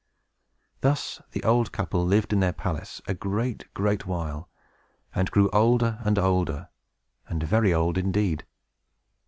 Thus the old couple lived in their palace a great, great while, and grew older and older, and very old indeed.